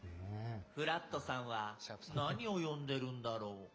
フラットさんは何を読んでるんだろう？